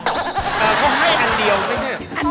เค้าให้อันเดียวใช่ไหม